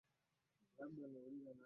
elfu moja katika misimu miwili ya vuli